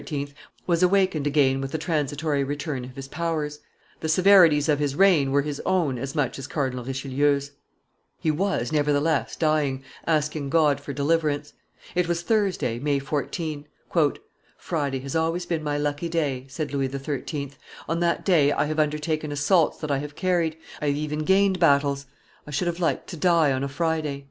was awakened again with the transitory return of his powers; the severities of his reign were his own as much as Cardinal Richelieu's. He was, nevertheless, dying, asking God for deliverance. It was Thursday, May 14. "Friday has always been my lucky day," said Louis XIII.: "on that day I have undertaken assaults that I have carried; I have even gained battles: I should have liked to die on a Friday."